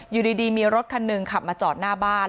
อยู่ดีมีรถคันหนึ่งขับมาจอดหน้าบ้าน